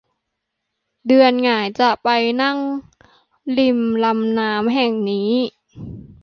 เดือนหงายจะไปนั่งริมลำน้ำแห่งนี้